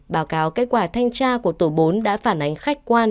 báo cáo kết quả thanh tra của tổ bốn đã phản ánh khách quan